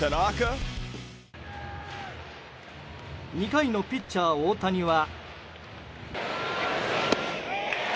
２回のピッチャー大谷は。